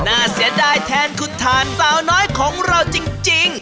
น่าเสียดายแทนคุณทานสาวน้อยของเราจริง